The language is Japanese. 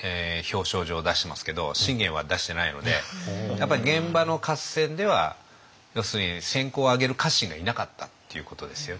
やっぱり現場の合戦では要するに戦功を挙げる家臣がいなかったっていうことですよね。